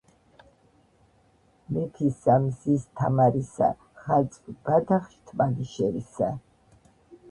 - მეფისა მზის -თამარისა, ღაწვ-ბადახშ, თმა-გიშერისა,